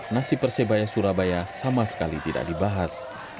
nasib persebaya surabaya sama sekali tidak dibahas